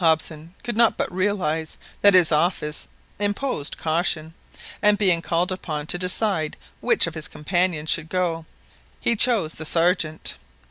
Hobson could not but realise that his office imposed caution, and being called upon to decide which of his companions should go, be chose the Sergeant.